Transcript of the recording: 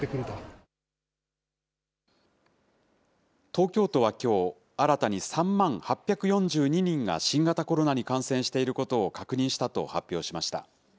東京都はきょう、新たに３万８４２人が、新型コロナに感染していることを確認したと発表しました。